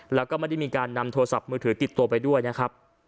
แล้วก็ไม่ได้มีการนำโทรศัพท์มือถือติดตัวไปด้วยนะครับ